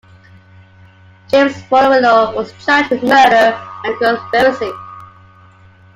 James Fiorillo was charged with murder and conspiracy.